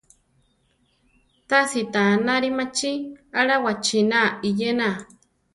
Tási ta anári machí aʼlá wachína iyéna.